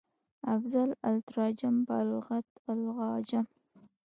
افضل التراجم بالغت العاجم